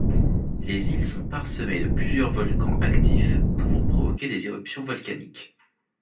Les îles sont parsemées de plusieurs volcans actifs pouvant provoquer des éruptions volcaniques.